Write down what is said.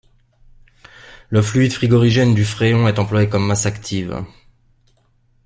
Le fluide frigorigène, du fréon, est employé comme masse active.